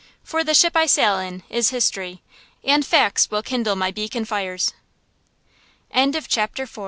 For the ship I sail in is history, and facts will kindle my beacon fires. CHAPTER V I REMEM